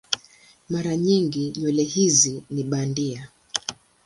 Mara nyingi nywele hizi ni bandia.